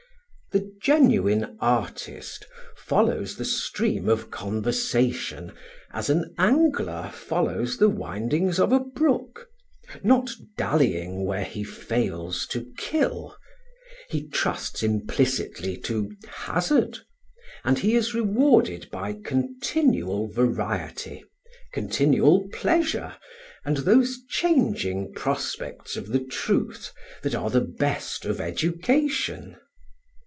The genuine artist follows the stream of conversation as an angler follows the windings of a brook, not dallying where he fails to "kill." He trusts implicitly to hazard; and he is rewarded by continual variety, continual pleasure, and those changing prospects of the truth that are the best of education.